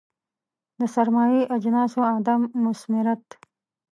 د سرمایوي اجناسو عدم مثمریت.